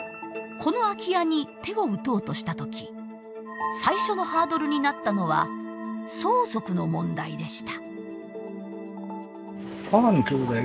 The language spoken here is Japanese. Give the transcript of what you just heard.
この空き家に手を打とうとした時最初のハードルになったのは相続の問題でした。